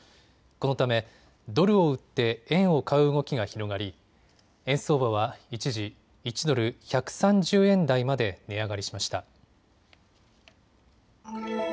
このため、ドルを売って円を買う動きが広がり円相場は一時、１ドル１３０円台まで値上がりしました。